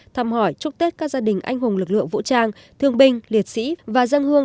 thăm hỏi chúc tết các gia đình anh hùng lực lượng vũ trang thương binh liệt sĩ và dân hương